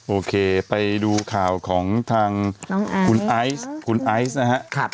โอเคไปดูข่าวของทางคุณไอซ์นะครับ